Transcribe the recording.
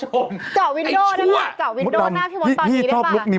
เป็นการกระตุ้นการไหลเวียนของเลือด